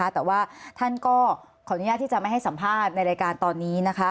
แต่ว่าท่านก็ขออนุญาตที่จะไม่ให้สัมภาษณ์ในรายการตอนนี้